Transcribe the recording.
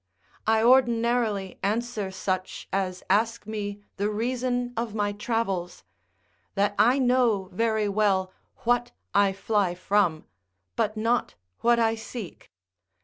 I ordinarily answer such as ask me the reason of my travels, "That I know very well what I fly from, but not what I seek."